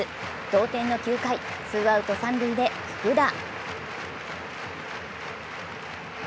同点の９回、ツーアウト三塁で福田。